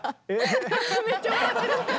めっちゃ笑ってる。